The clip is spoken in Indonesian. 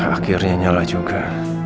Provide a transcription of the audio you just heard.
akhirnya nyala juga